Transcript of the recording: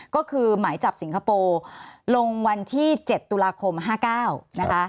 ก็คือหมายจับสิงคโปร์ลงวันที่๗ตุลาคม๕๙นะคะ